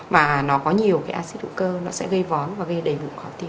mà nó có nhiều cái acid hữu cơ nó sẽ gây vón và gây đầy bụng khó tiêu